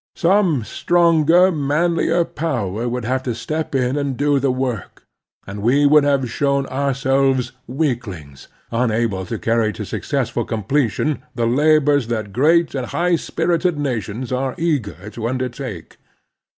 Some stronger, manlienpowCT would have to step in and do the work, and we would have shown ourselves weaklings, unable to carry to successful completion the labors that great and high spirited nations are eager to under take.